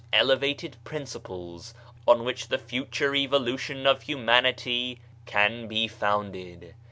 'ABDU'L BAHA 99 elevated principles on which the future evolution of humanity can be founded.